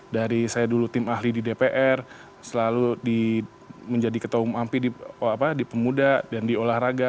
dari saya dulu tim ahli di dpr selalu menjadi ketua umum ampi di pemuda dan di olahraga